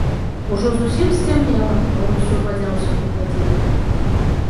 Ужо зусім сцямнела, а ён усё бадзяўся тут адзін.